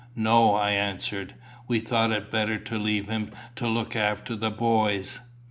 "No," I answered; "we thought it better to leave him to look after the boys."